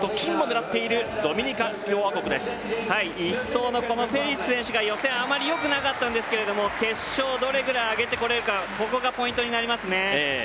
１走のフェリス選手があまりよくなかったんですけど決勝、どれくらい上げてこれるかここがポイントになりますね。